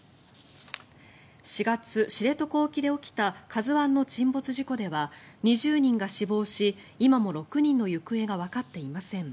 ４月、知床沖で起きた「ＫＡＺＵ１」の沈没事故では２０人が死亡し今も６人の行方がわかっていません。